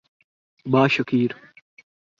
Bashkir